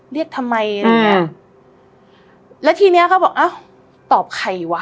เรียกทำไมแล้วทีนี้เขาบอกตอบใครวะ